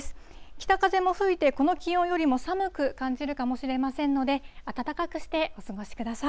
北風も吹いて、この気温よりも寒く感じるかもしれませんので、暖かくしてお過ごしください。